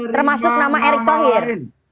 termasuk nama erick thohir